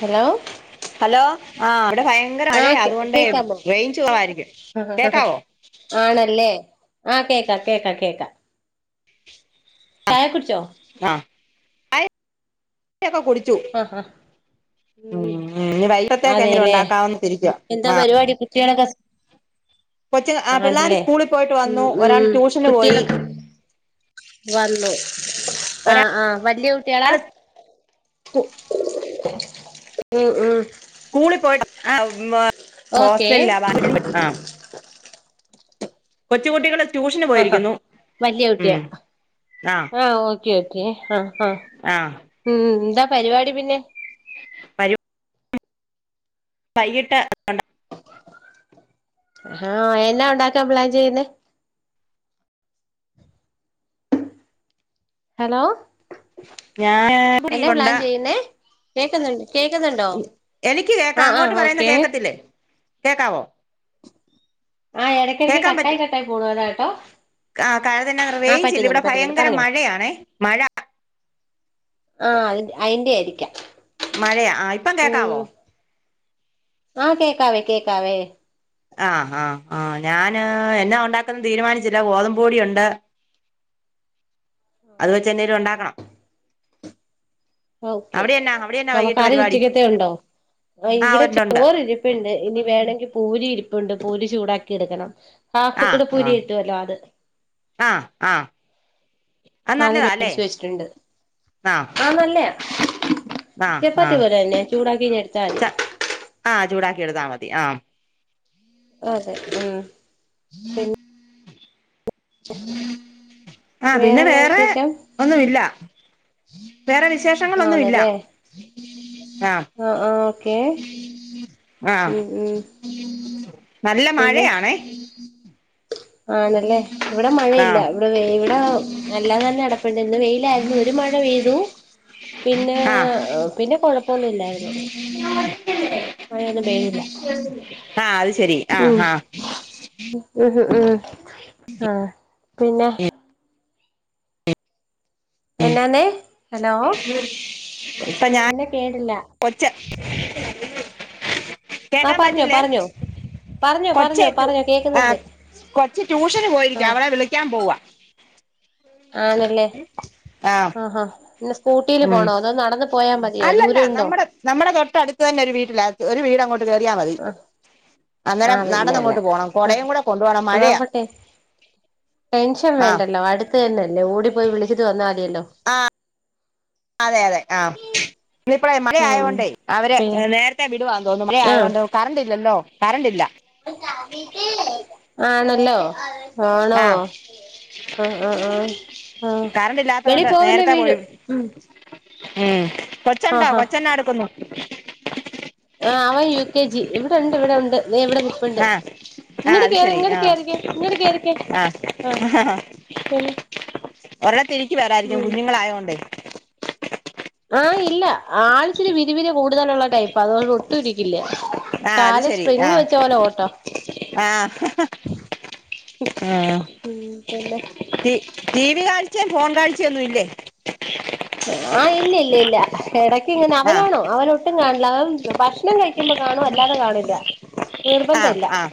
Hello. Hello ആഹ് ഇവിടെ ഭയങ്കര മഴയ ആഹ് കേ അതുകൊണ്ടേ കേക്കാമോ റൈജ്ജ് പോവായിരിക്കും കേക്കാവോ. ആണല്ലേ ആഹ് കേക്കാ കേക്കാ കേക്കാ ചായക്കെ കുടിച്ചോ. ആഹ്. ഒക്കെ കുടിച്ചു ആഹ് ആഹ് ഉം വൈകിട്ടത്തൊക്കെ എങ്കിലും അതെല്ലേ ഉണ്ടാക്കാവന്ന് തിരിക്കുവ എന്താ പരിപാടി കുട്ട്യേളൊക്കെ സ് കൊച്ച് ആഹ് പിള്ളേര് ആണല്ലേ സ്കൂളിൽ പോയിട്ട് ഉം വന്നു ഒരാൾ ഉം ട്യൂഷന് പോയി കുട്ട്യേളൊക്കെ വന്നു ആഹ് ആഹ് വല്ല്യ കുട്ട്യേളാ? ഒരാള് ഉം ഉം സ്കൂളിൽ പോയിട്ട് [unintelligible] ഓക്കേ ഹോസ്റ്റലല്ല ആഹ് കൊച്ചു കുട്ടികള് ആഹാ വല്ല്യ കുട്ട്യാ ആഹ് ഓക്കെ ഓക്കെ ആഹ് ആഹ്. ആഹ്. ഉം ന്താ പരിവാടി പിന്നെ. പരും വൈകിട്ട് ആഹ് എന്നാ ഒണ്ടാക്കാൻ പ്ലാൻ ചെയ്യുന്നെ ഹലോ ഞാൻ എന്നാ പ്ലാൻ പൊടിയിരുപ്പൊണ്ട് ചെയ്യുന്നേ കേക്കുന്നുണ്ട് കേക്കുന്നുണ്ടോ എനിക്ക് ആ കേക്കാം ആ അങ്ങോട്ട് പറയുന്നെ ഓക്കേ കേക്കത്തില്ലേ കേക്കാവോ ആഹ് എടക്കെടക്ക്‌ കട്ടായി കട്ടായി പോണു അതാ കേട്ടോ ആഹ് കാര്യതെന്നാന്നറിയൊ റേയിഞ്ചില്ല ഇവിടെ പറ്റുന്നുണ്ട് ഭയങ്കര പറഞ്ഞോ മഴയാണെ മഴ ആഹ് അത് അയിന്റെയാരിക്കാം മഴയാ ആഹ് ഇപ്പ കേക്കാവോ ആഹ് കേക്കാവേ കേക്കാവേ ആഹ് ആഹ് ആഹ് ഞാന് എന്നാ ഒണ്ടാക്കുന്ന് തീരുമാനിച്ചില്ല ഗോതമ്പ് പൊടിയൊണ്ട് അതുവെച്ചെന്നേലും ഒണ്ടാക്കണം ഓക്കെ അവിടെ എന്നാ അവിടെ എന്നാ അപ്പം വൈകിട്ട് കറി പരിപാടി ഉച്ചക്കത്തെ ഒണ്ടോ ആഹ് ആ ഇവിടെ ഉണ്ട് ഉണ്ട് ചോറിരി പ്പ്ണ്ട് ഇനി വേണെങ്കി പൂരി ഇരിപ്പുണ്ട് പൂരി ചൂടാക്കി എടുക്കണം ആഹ് കുക്കട പൂരി ആയിട്ട് വെല്ലോം ആത് ആഹ് ആഹ് അത് നല്ലതാ അല്ലേ മേടിച്ചു വെച്ചിട്ടുണ്ട് ആഹ് നല്ലെയാ ആഹ് ചപ്പാത്തി ആഹ് പോലെന്നെയാ ചൂടാക്കി ഇങ്ങെടുത്താ മതി ച ആഹ് ചൂടാക്കി എടുത്താ മതി ആഹ് അതെ ഉം പിന്നെ ആഹ് പിന്നെ വേറെന്നാ വേറെ വിശേഷം ഒന്നുവില്ലാ വേറെ വിശേഷങ്ങളൊന്നുവില്ല ആഹ് ആഹ് ആഹ് ഓക്കേ ആഹ് ഉം ഉം നല്ല പിന്നെ മഴയാണേ ആണല്ലേ ഇവിടെ മഴയില്ല ആഹ് ഇവിടെ വെയ് ഇവിടെ അല്ലാതെ തന്നെ അടപ്പ്ണ്ട് ഇന്ന് വെയിലാരുന്നു ഒരു മഴ പെയ്തു പിന്നേ ആഹ് പിന്നെ കൊഴപ്പൊന്നുല്ലാരുന്നു ആഹ് അത്ശെരി ഉം ഉം ഉം ഉം ആഹ് പിന്നെ എന്നാന്നേ ഹലോ ഇപ്പം ഞാ എന്നാ കേട്ടില്ല ഒച്ച ആ കേക്കാൻ പറഞ്ഞോ പറ്റില്ലേ പറഞ്ഞോ പറഞ്ഞോ പറഞ്ഞോ കൊച്ചേറ്റു പറഞ്ഞോ കേക്കുന്നുണ്ട് ആഹ് കൊച്ച് ട്യൂഷന് ആ പോയിരിക്കാ അവളെ വിളിക്കാൻ പോവാ ആണല്ലേ ആഹ് ആഹ് പിന്നെ സ്കൂട്ടീല് ഉം പോണോ അതോ നടന്ന് പോയാ മതിയോ അല്ലല്ല ദൂരം ഉണ്ടോ നമ്മടെ നമ്മടെ തൊട്ടടുത്ത് തന്നെ ഒരു വീട്ടിലാ ഒരു വീടങ്ങോട്ട് കേറിയാ മതി ആ അന്നേരം ആഹ് പിന്നെല്ല നടന്നങ്ങോട്ട് പോണം ആഹ് കൊടേം കൂടെ കൊണ്ട് പോണം മഴയാ അതാവുമ്പട്ടെ ടെൻഷൻ ആഹ് വേണ്ടല്ലോ അടുത്ത് തന്നല്ലേ ഓടിപ്പോയി വിളിച്ചിട്ട് വന്നാ മതിയല്ലോ ആഹ് അതെ അതെ ആഹ് ഇന്ന് ഇപ്പഴേ മഴ ഉം ആയകൊണ്ടേ അവര് പിന്നെ നേരത്തെ വിടുവാന്ന് തോന്നുന്നു മഴ ആഹ് ആയകൊണ്ട് കറണ്ടില്ലല്ലോ കറണ്ടില്ല ആണല്ലോ ആണോ ആഹ് ആഹ് ആഹ് ആഹ് ആഹ് കറണ്ട് വെളീ ഇല്ലാത്തോണ്ട് പോവല്ലേ നേരത്തെ പോയി വീഴും ഉം ഉം ആഹ് കൊച്ചൊണ്ടോ ഹാ കൊച്ചെന്നാടുക്കുന്നു ആഹ് അവൻ യു കെ ജി ഇവിടെണ്ട് ഇവിടെ ഉണ്ട് ദേ ഇവിടെ നിപ്പുണ്ട് ആഹ് ആഹ് ഇങ്ങട് അത് കേറ് ശെരി ഇങ്ങട് ആഹ് കേറിക്കെ ഇങ്ങട് കേറിക്കെ ആഹ് പിന്നെ ഒരു ഇടത്ത് ഇരിക്കുവേലായിരിക്കും ഉം കുഞ്ഞുങ്ങളായതുകൊണ്ടേ ആഹ് ഇല്ല ആൾ ഇച്ചിരി വിരിവിരി കൂടുതലുള്ള ടൈപ്പ് അതുകൊണ്ട് ഒട്ടും ഇരിക്കില്ല ആഹ് അത് കാല് ശെരി സ്പ്രിംഗ് ആഹ് വെച്ച പോലെ ഓട്ടം ആഹ് ഉം പിന്നെ ടി ടി വി കാഴ്ച്ചെ ഫോൺ കാഴ്ച്ചെ ഒന്നുല്ലേ ആഹ് ഇല്ല ഇല്ല ഇല്ല ഇടക്ക് ഇങ്ങനെ ആഹ് അവനാണോ അവനൊട്ടും കാണില്ല ഭക്ഷണം കഴിക്കുമ്പോ കാണും അല്ലാതെ കാണില്ല ആഹ് നിർബന്ധല്ല ആഹ്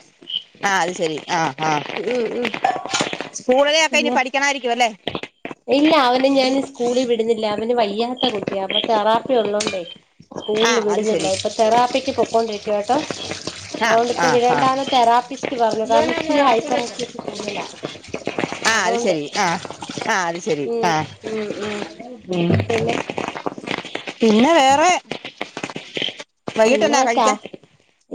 ആഹ് അത് ശെരി ഉം ഉം സ്കൂളിലെക്കെ ഇനി പിന്നെ പഠിക്കണായിരിക്കും അല്ലേ ഇല്ല അവനെ ഞാൻ സ്കൂളിൽ വിടുന്നില്ല അവന് വയ്യാത്ത കുട്ടിയാ അപ്പൊ തെറാപ്പി ഉള്ളോണ്ടേ സ്കൂളിൽ ആഹ് അത് വിടുന്നില്ല ശെരി ഇപ്പൊ തെറാപ്പിക്ക് പോക്കൊണ്ടിരിക്കുവ ട്ടോ ആഹ് അതൊണ്ടിപ്പോം ആഹ് ആഹ് വിടണ്ടാന്ന് തെറാപ്പിസ്റ്റ് പറഞ്ഞു കാരണം ഇത്തിരി ഹൈപ്പർറസി കൂടുതലാ ആഹ് അത് അതുകൊണ്ട് ശരി ആഹ് ആഹ് അത് ശെരി ഉം ആഹ് ഉം ഉം ഉം പിന്നെ പിന്നെ വേറെ പിന്നെ വൈകിട്ടെന്നാ ക്ഷാ കഴിക്കാൻ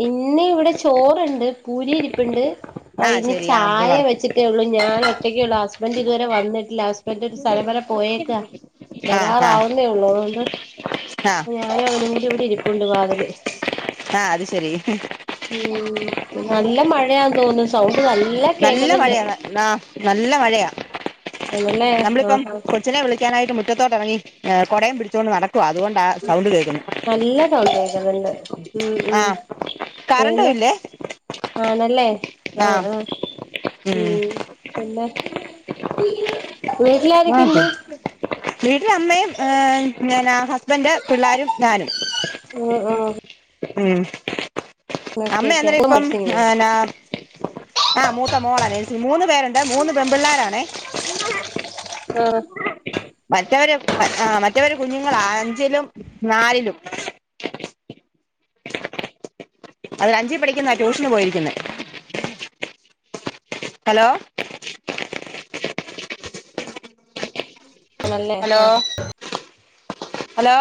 ഇന്ന് ഇവിടെ ചോറുണ്ട് പൂരി ഇരിപ്പുണ്ട് ആഹ് അയ്നി ശെരി ആഹ് ചായ വെച്ചിട്ട് ട്ടെ ഉള്ളൂ ഞാന് ഒറ്റക്കെള്ളൂ ഹസ്ബൻന്റ് ഇതുവരെ വന്നിട്ടില്ല ഹസ്ബൻഡറ് ഒരു സ്ഥലം വരെ പോയേക്കാ ആഹ് ആഹ് വരാറാവുന്നേ ഉള്ളൂ അതുകൊണ്ട് ആഹ് ഞാനും അവനും കൂടി ഇവിടെ ഇരിപ്പുണ്ട് വാതില് ആഹ് അത് ശരി ഉം നല്ല മഴയാ തോന്നുന്നു സൗണ്ട് നല്ല നല്ല കേക്കുന്നുണ്ട് മഴെയാണ് ആഹ് നല്ല മഴെയാ ആണല്ലേ നമ്മളിപ്പം ആഹാ കൊച്ചിനെ വിളിക്കാനായിട്ട് മുറ്റത്തോട്ട് ഇറങ്ങി ഏഹ് കുടയും പിടിച്ചുകൊണ്ട് നടക്കുവ അത് കൊണ്ടാ സൗണ്ട് കേൾക്കുന്നത് നല്ല സൗണ്ട് കേക്കുന്നുണ്ട് ഉം ആ ഉം കറണ്ടും പിന്നെ ഇല്ലേ ആണല്ലേ ആ ആഹ് ആഹ് ഉം മ്മ് പിന്നെ വീട്ടിലാരൊക്കെണ്ട്? [unintelligible] വീട്ടില് അമ്മയും ഏഹ് എന്നാ ഹസ്ബന്ഡ് പിള്ളാരും ഞാനും ഉം ആഹ് മ്മ് ഓക്കെ അമ്മ ഓക്കെ അന്നേരം ഇപ്പം ഏഹ് എന്നാ ആഹ് മൂത്ത മോളാ നേഴ്സിംഗ് മൂന്ന് പേരുണ്ട് മൂന്ന് പെൺപിള്ളോരാണെ ആഹ് മറ്റവര് ആഹ് മറ്റവര് കുഞ്ഞുങ്ങളാ അഞ്ചിലും നാലിലും അതിൽ അഞ്ചിൽ പഠിക്കുന്നതാ ട്യൂഷന് പോയിരിക്കുന്നേ ഹലോ ആണല്ലേ ഹലോ ആഹ് ഹലോ